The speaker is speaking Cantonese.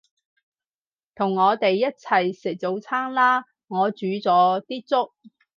同我哋一齊食早餐啦，我煮咗啲粥